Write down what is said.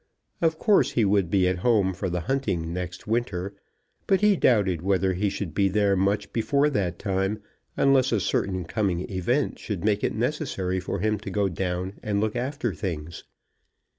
Of course he would be at home for the hunting next winter; but he doubted whether he should be there much before that time, unless a certain coming event should make it necessary for him to go down and look after things.